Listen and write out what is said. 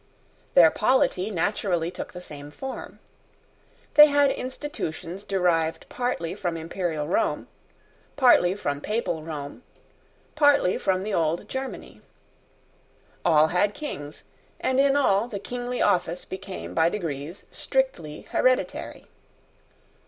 Their polity naturally took the same form. They had institutions derived partly from imperial Rome, partly from papal Rome, partly from the old Germany. All had Kings; and in all the kingly office became by degrees strictly hereditary.